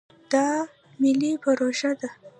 دا ملي پروژه ده.